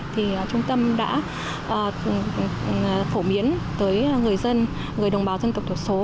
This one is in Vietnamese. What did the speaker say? thì trung tâm đã phổ biến tới người dân người đồng bào dân tộc thiểu số